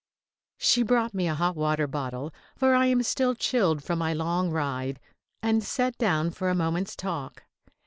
She brought me a hot water bottle, for I am still chilled from my long ride, and sat down for a moment's talk.